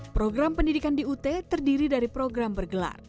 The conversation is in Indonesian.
program pendidikan di ut terdiri dari program bergelar